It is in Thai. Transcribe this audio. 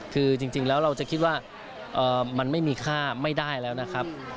คือจริงแล้วเราจะคิดว่ามันไม่มีค่าไม่ได้แล้วนะครับ